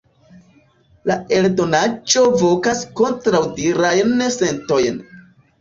La eldonaĵo vokas kontraŭdirajn sentojn.